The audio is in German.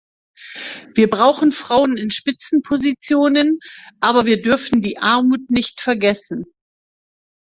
Wir brauchen Frauen in Spitzenpositionen, aber wir dürfen die Armut nicht vergessen.